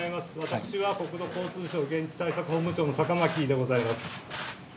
私は国土交通省現地対策本部長のでございます。